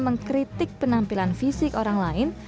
mengkritik penampilan fisik orang lain